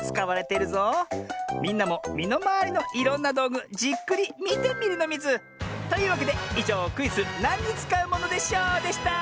みんなもみのまわりのいろんなどうぐじっくりみてみるのミズ！というわけでいじょうクイズ「なんにつかうものでショー」でした！